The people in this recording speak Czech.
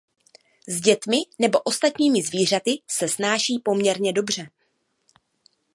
S dětmi nebo ostatními zvířaty se snáší poměrně dobře.